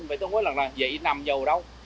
vậy tôi nói là vậy nằm dầu đâu